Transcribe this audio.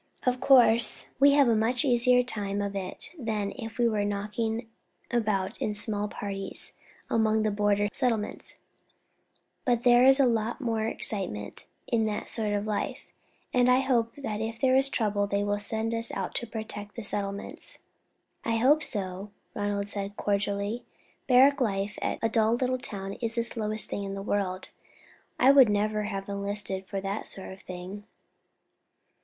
Of course, we have a much easier time of it than if we were knocking about in small parties among the border settlements; but there is a lot more excitement in that sort of life, and I hope that if there is trouble they will send us out to protect the settlements." "I hope so," Ronald said, cordially. "Barrack life at a dull little town is the slowest thing in the world. I would never have enlisted for that sort of thing."